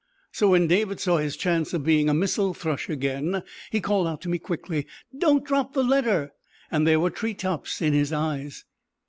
So when David saw his chance of being a missel thrush again he called out to me quickly: "Don't drop the letter!" and there were tree tops in his eyes.